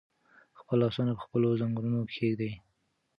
خپل لاسونه په خپلو زنګونونو کېږدئ.